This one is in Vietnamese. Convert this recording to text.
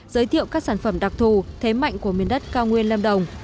giới thiệu các sản phẩm đặc thù thế mạnh của miền đất cao nguyên lâm đồng